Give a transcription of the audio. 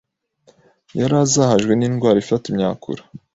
yarazahajwe n’indwara ifata imyakura